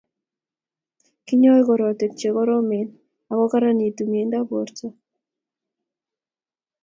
Kinyoi korotwek chekoromen ako kararanitu meindap borto